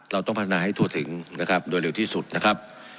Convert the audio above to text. เราต้องพัฒนาให้ทั่วถึงนะครับโดยเร็วที่สุดนะครับ